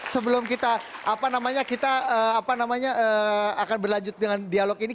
sebelum kita apa namanya kita akan berlanjut dengan dialog ini